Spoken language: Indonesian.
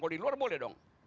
kalau di luar boleh dong